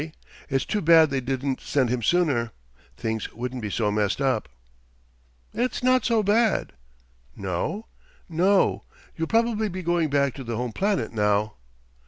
It's too bad they didn't send him sooner. Things wouldn't be so messed up." "It's not so bad." "No?" "No. You'll probably be going back to the home planet now."